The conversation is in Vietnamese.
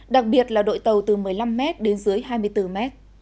đặc biệt là đội tàu từ một mươi năm m đến dưới hai mươi bốn m